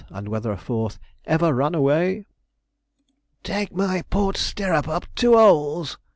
and whether a fourth 'ever ran away?' 'Take my port stirrup up two 'oles!'